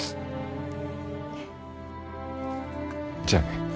じゃあね。